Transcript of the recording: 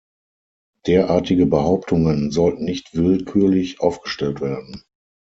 Derartige Behauptungen sollten nicht willkürlich aufgestellt werden.